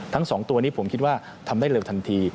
ทั้ง๒ตัวนี้ผมคิดว่าทำได้เร็วทันที